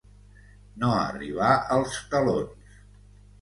No arribar als talons.